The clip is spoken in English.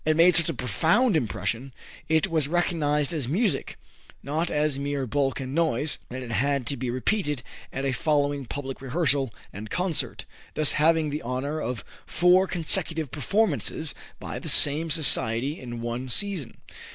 It made such a profound impression it was recognized as music, not as mere bulk and noise that it had to be repeated at a following public rehearsal and concert, thus having the honor of four consecutive performances by the same society in one season.